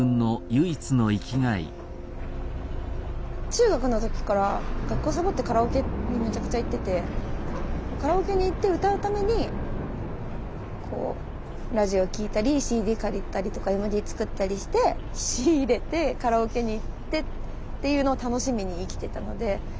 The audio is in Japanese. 中学の時から学校サボってカラオケにめちゃくちゃ行っててカラオケに行って歌うためにラジオ聞いたりＣＤ借りたりとかＭＤ作ったりして仕入れてカラオケに行ってっていうのを楽しみに生きてたので。